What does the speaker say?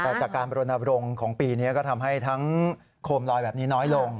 แต่จากการบรณบรงค์ของปีนี้ก็ทำให้ทั้งโคมลอยแบบนี้น้อยลง